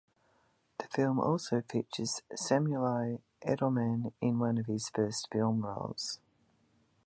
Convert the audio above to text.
The film also features Samuli Edelmann in one of his first film roles.